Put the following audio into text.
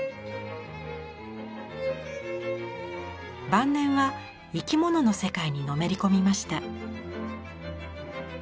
晩年は生き物の世界にのめり込みました。